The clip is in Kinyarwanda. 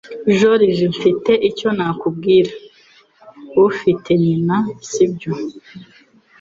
Joriji, mfite icyo nakubwira. Ufite nyina, si byo?